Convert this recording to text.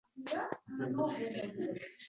U juda kam kelishini aytishdi.